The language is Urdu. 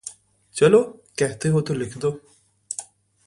چلو کہتے ہوتو لکھ دو۔۔۔